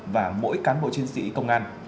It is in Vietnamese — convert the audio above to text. và mỗi cán bộ chiến sĩ công an